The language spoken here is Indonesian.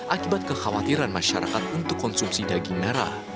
akibat kekhawatiran masyarakat untuk konsumsi daging merah